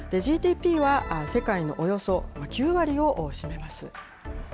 ＧＤＰは世界のおよそ９割を占めます。